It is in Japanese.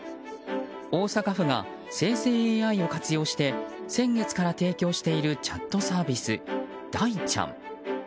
大阪府が生成ＡＩを活用して先月から提供しているチャットサービス、大ちゃん。